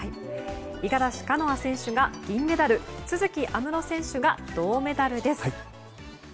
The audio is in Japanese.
五十嵐カノア選手が銀メダル都筑有夢路選手が銅メダルです。